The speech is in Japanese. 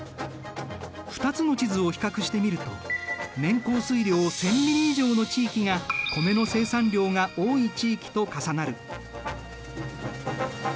２つの地図を比較してみると年降水量１，０００ミリ以上の地域が米の生産量が多い地域と重なる。